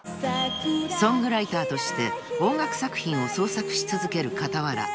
［ソングライターとして音楽作品を創作し続ける傍ら